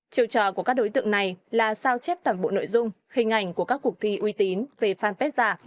chiều trò của các đối tượng này là sao chép toàn bộ nội dung hình ảnh của các cuộc thi uy tín về fanpage giả